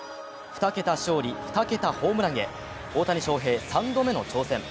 ２桁勝利・２桁ホームランへ、大谷翔平、３度目の挑戦。